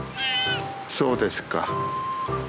そうですか。